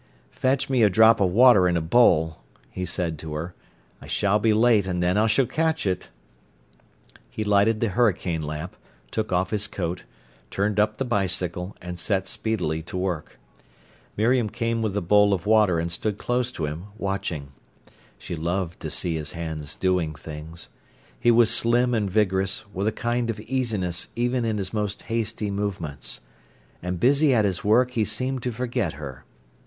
"Fetch me a drop of water in a bowl," he said to her. "I shall be late, and then I s'll catch it." He lighted the hurricane lamp, took off his coat, turned up the bicycle, and set speedily to work. Miriam came with the bowl of water and stood close to him, watching. She loved to see his hands doing things. He was slim and vigorous, with a kind of easiness even in his most hasty movements. And busy at his work he seemed to forget her.